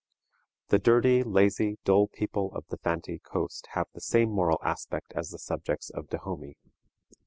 The dirty, lazy, dull people of the Fantee Coast have the same moral aspect as the subjects of Dahomey.